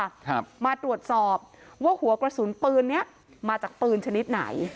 ครับมาตรวจสอบว่าหัวกระสุนปืนเนี้ยมาจากปืนชนิดไหน